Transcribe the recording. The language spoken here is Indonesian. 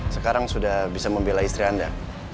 sekarang sudah bisa membela istri anda